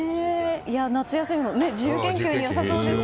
夏休みの自由研究に良さそうです。